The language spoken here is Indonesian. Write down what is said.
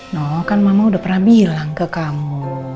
no kan mama udah pernah bilang ke kamu